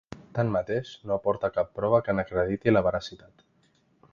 Tanmateix, no aporta cap prova que n’acrediti la veracitat.